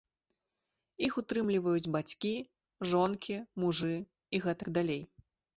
Іх утрымліваюць бацькі, жонкі, мужы і гэтак далей.